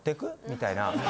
みたいな。